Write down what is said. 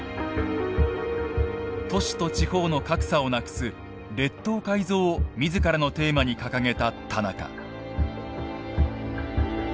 都市と地方の格差をなくす列島改造を自らのテーマに掲げた田中。